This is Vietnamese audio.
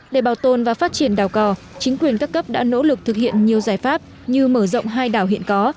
để bảo tồn và phát triển đảo cò chính quyền các cấp đã nỗ lực thực hiện nhiều giải pháp như mở rộng hai đảo hiện có